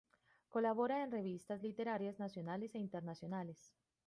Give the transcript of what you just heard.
Colabora en diversas revistas literarias nacionales e internacionales.